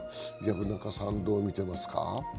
薮中さん、どう見ていますか？